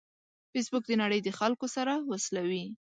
فېسبوک د نړۍ د خلکو سره وصلوي